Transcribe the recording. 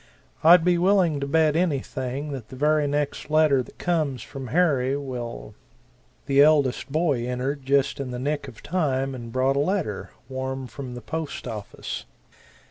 I'd be willing to bet anything that the very next letter that comes from Harry will " The eldest boy entered just in the nick of time and brought a letter, warm from the post office.